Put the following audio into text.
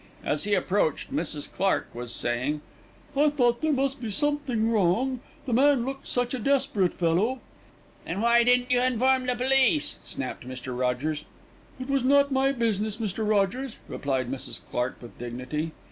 As he approached, Mrs. Clark was saying: "I thought there must be something wrong, the man looked such a desperate fellow." "Then why didn't you inform the police?" snapped Mr. Rogers. "It was not my business, Mr. Rogers," replied Mrs. Clark with dignity.